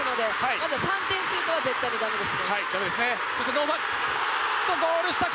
まずは３点シュートは絶対にだめです。